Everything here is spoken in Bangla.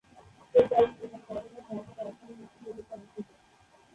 এই দলের প্রধান কার্যালয় ভারতের রাজধানী নতুন দিল্লিতে অবস্থিত।